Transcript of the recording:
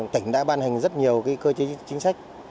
tỉnh đã ban hành rất nhiều cơ chế chính sách